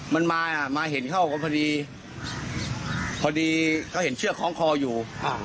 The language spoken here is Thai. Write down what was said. มันมาเห็นเข้าก็พอดีพอดีเขาเห็นเชือกคล้องคออยู่